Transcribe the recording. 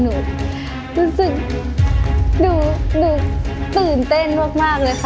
หนูจนสิทธิ์หนูหนูตื่นเต้นมากเลยค่ะ